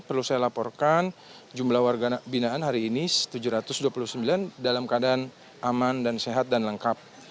perlu saya laporkan jumlah warga binaan hari ini tujuh ratus dua puluh sembilan dalam keadaan aman dan sehat dan lengkap